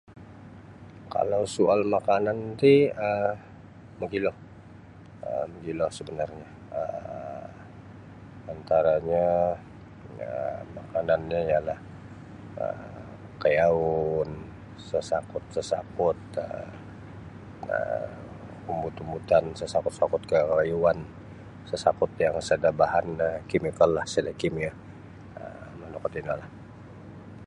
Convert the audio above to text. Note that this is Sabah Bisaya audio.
Kalau soal makanan ti mogilo um mogilo sabanarnyo antaranyo um makananyo ialah kaiaun sasakut-sasakut um umbut-umbutan sasakut kakaiuan sasakut yang sada bahan um chemical lah sada kimia um manu kuo tino.